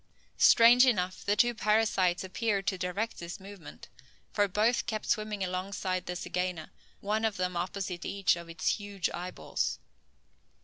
Strange enough, the two parasites appeared to direct this movement: for both kept swimming alongside the zygaena, one of them opposite each of its huge eyeballs.